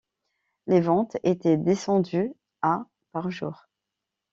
Les ventes étaient descendues à par jour.